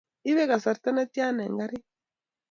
Ibe kasarta ne tia eng karit?